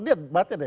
dia baca deh